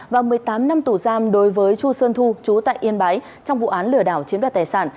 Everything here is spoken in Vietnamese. và một mươi tám năm tù giam đối với chu xuân thu chú tại yên bái trong vụ án lừa đảo chiếm đoạt tài sản